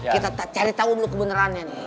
kita cari tau dulu kebenerannya nih